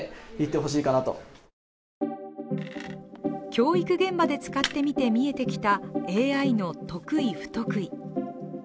教育現場で使ってみて見えてきたＡＩの得意・不得意。